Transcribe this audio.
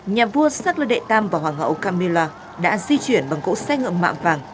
nhà vua shackler đệ tam và hoàng hậu camilla đã di chuyển bằng cỗ xe ngựa mạng vàng